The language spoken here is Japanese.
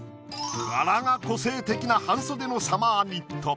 柄が個性的な半袖のサマーニット。